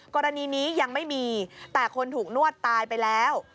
กรณีนี้ยังไม่มีแต่คนถูกนวดตายไปแล้ว